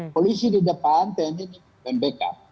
polisi di depan tni dan backup